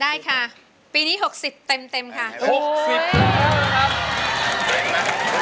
ได้รับเงินเดือนแล้วนะครับ